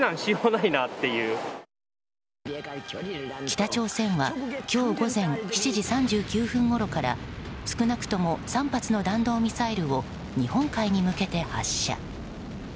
北朝鮮は今日午前７時３９分ごろから少なくとも３発の弾道ミサイルを日本海に向けて発射。